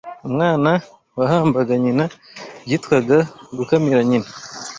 Umwana wahambaga nyina byitwaga gukamira nyina